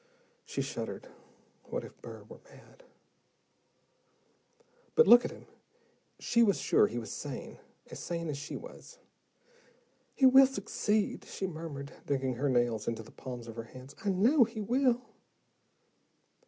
She shuddered. What if Burr were mad? But look at him, she was sure he was sane, as sane as she was. "He will succeed," she murmured, digging her nails into the palms of her hands. "I know he will."